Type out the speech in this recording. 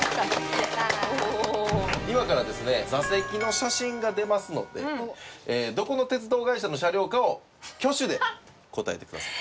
今からですね座席の写真が出ますのでどこの鉄道会社の車両かを挙手で答えてください。